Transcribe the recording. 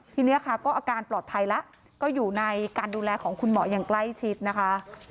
ทีนี้ค่ะก็อาการปลอดภัยแล้วก็อยู่ในการดูแลของคุณหมออย่างใกล้ชิดนะคะ